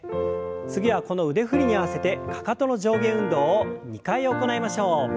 次はこの腕振りに合わせてかかとの上下運動を２回行いましょう。